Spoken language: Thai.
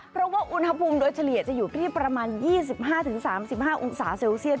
เพราะว่าอุณหภูมิโดยเฉลี่ยจะอยู่ที่ประมาณ๒๕๓๕องศาเซลเซียส